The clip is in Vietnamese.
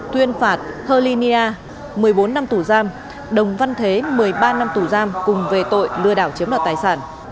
tuyên phạt hơ ly nia một mươi bốn năm tù giam đồng văn thế một mươi ba năm tù giam cùng về tội lừa đảo chiếm đoạt tài sản